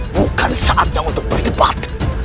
bukan saatnya untuk berdebat